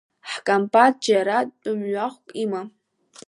Ҳкомбат џьара тәамҩахәк имам.